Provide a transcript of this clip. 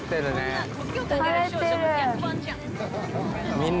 みんな。